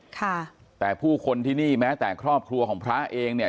ค่ะแต่ผู้คนที่นี่แม้แต่ครอบครัวของพระเองเนี่ย